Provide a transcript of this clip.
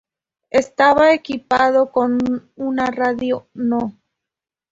Estaba equipado con una radio No.